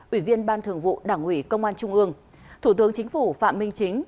ủy viên ban thường vụ đảng ủy công an trung ương thủ tướng chính phủ phạm minh chính